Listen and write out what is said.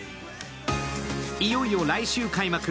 いよいよ来週開幕。